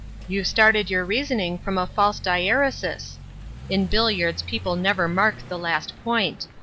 You started your reasoning from a false diæresis. In billiards people never mark the last point.